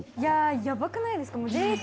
ヤバくないですか？